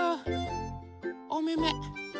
おめめ。